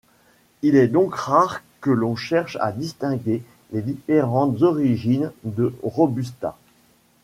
Il est donc rare que l'on cherche à distinguer les différentes origines de robustas.